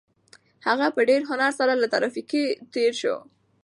هغه په ډېر هنر سره له ترافیکو تېر شو.